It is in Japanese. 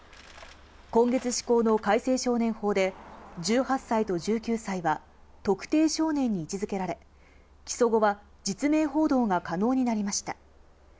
今月施行の改正少年法で、１８歳と１９歳は特定少年に位置づけられ、起訴後は実名報道が可能になりました。